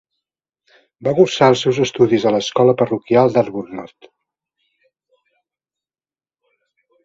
Va cursar els seus estudis a l'escola parroquial d'Arbuthnott.